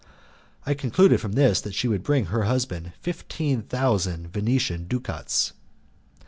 I concluded from this that she would bring her husband fifteen thousand Venetian ducats.